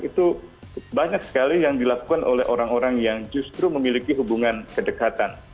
itu banyak sekali yang dilakukan oleh orang orang yang justru memiliki hubungan kedekatan